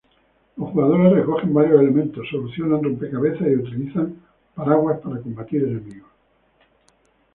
Los jugadores recogen varios elementos, solucionan rompecabezas, y utilizar un paraguas para combatir enemigos.